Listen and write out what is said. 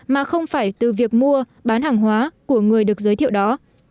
mà không phải từ việc mua bán hàng hóa của người được giới thiệu đó